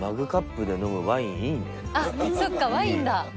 なんかあっそっかワインだ。